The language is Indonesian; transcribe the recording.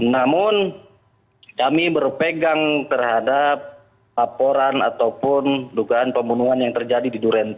namun kami berpegang terhadap laporan ataupun dugaan pembunuhan yang terjadi di duren tiga